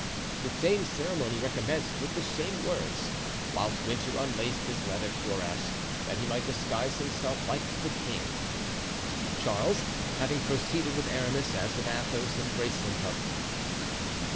The same ceremony recommenced, with the same words, whilst Winter unlaced his leather cuirass, that he might disguise himself like the king. Charles, having proceeded with Aramis as with Athos, embraced them both.